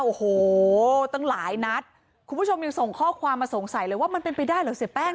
โอ้โหตั้งหลายนัดคุณผู้ชมยังส่งข้อความมาสงสัยเลยว่ามันเป็นไปได้เหรอเสียแป้ง